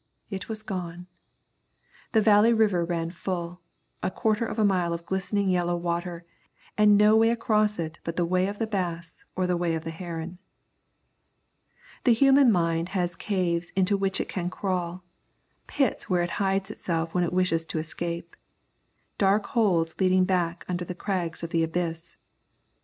It was gone. The Valley River ran full, a quarter of a mile of glistening yellow water, and no way across it but the way of the bass or the way of the heron. The human mind has caves into which it can crawl, pits where it hides itself when it wishes to escape; dark holes leading back under the crags of the abyss.